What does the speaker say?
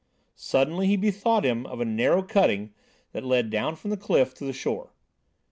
Suddenly he bethought him of a narrow cutting that led down from the cliff to the shore.